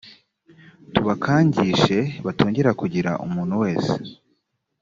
tubakangishe batongera kugira umuntu wese